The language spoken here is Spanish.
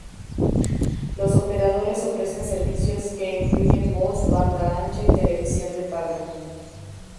Los operadores ofrecen servicios que incluyen voz, banda ancha y televisión de paga.